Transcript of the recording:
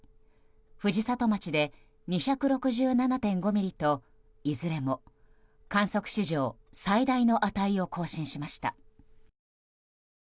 藤里町で２６７．５ミリといずれも観測史上最大の値を更新しました。